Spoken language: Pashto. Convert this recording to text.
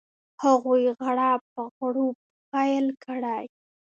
هغوی غړپ غړوپ پیل کړي.